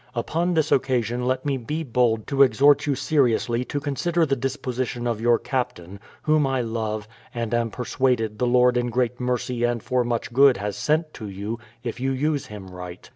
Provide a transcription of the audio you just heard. Upon this occasion let me be bold to exhort you seriously to consider the disposition of your Captain, whom I love, and am persuaded the Lord in great mercy and for much good has sent to you, if you use him right.